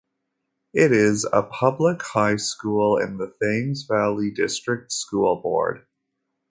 It is a public high school in the Thames Valley District School Board.